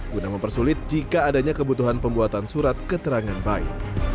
guna mempersulit jika adanya kebutuhan pembuatan surat keterangan baik